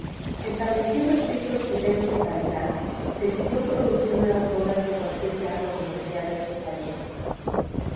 Estableciendo estrictos criterios de calidad, decidió producir nuevas obras que cualquier teatro comercial rechazaría.